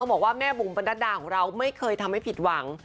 บอกว่าแม่บุ๋มบรรดาของเราไม่เคยทำให้ผิดหวัง